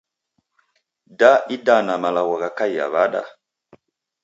Da idana malagho ghakaia wada?